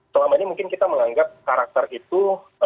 selama ini mungkin kita menganggap karakter itu